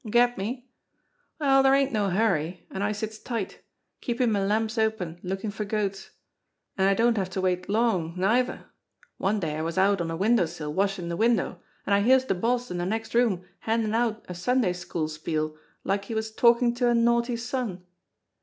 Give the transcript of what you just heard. Get me ? Well, dere ain't no hurry, an' I sits tight, keepin' me lamps open lookin' for goats. An' I don't have to wait long, neither. One day I was out on a window sill washin' de window, an' I hears de boss in de next room handin' out a Sunday school spiel like he was talkin' to a naughty son.